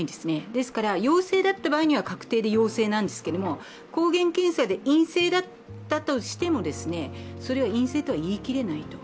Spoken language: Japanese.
ですから陽性だった場合には確定で陽性なんですけれども、抗原検査で陰性だったとしてもそれは陰性とは言い切れないと。